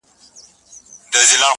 • و مقام د سړیتوب ته نه رسېږې..